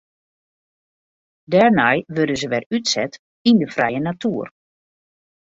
Dêrnei wurde se wer útset yn de frije natuer.